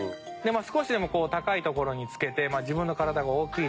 少しでも高い所につけて自分の体が大きいと。